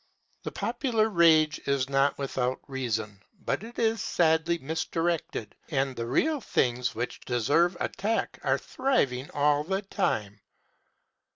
The popular rage is not without reason, but it is sadly misdirected and the real things which deserve attack are thriving all the time.